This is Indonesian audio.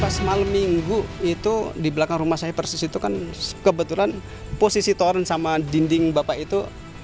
pas malam minggu itu di belakang rumah saya persis itu kan kebetulan posisi toren sama dinding bapak itu